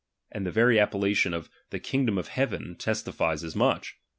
and the very appellation of the kingdom of heaven testiBes as much.